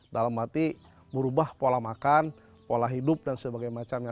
dalam arti merubah pola makan pola hidup dan sebagainya